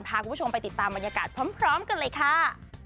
พาคุณผู้ชมไปติดตามบรรยากาศพร้อมกันเลยค่ะ